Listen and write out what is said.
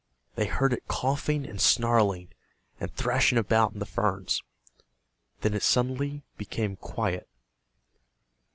They heard it coughing and snarling, and thrashing about in the ferns. Then it suddenly became quiet.